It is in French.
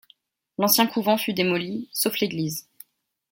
L'ancien couvent fut démoli, sauf l'église.